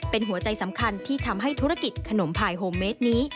เป็นหัวใจสำคัญที่ทำให้ธุรกิจขนมพายโฮมเมดนี้